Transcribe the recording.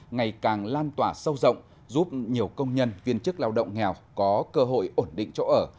ngày càng lan tỏa sâu rộng giúp nhiều công nhân viên chức lao động nghèo có cơ hội ổn định chỗ ở